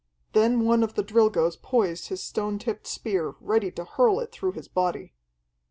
Then one of the Drilgoes poised his stone tipped spear, ready to hurl it through his body.